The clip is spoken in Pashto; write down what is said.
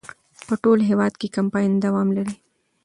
په ټول هېواد کې کمپاین دوام لري.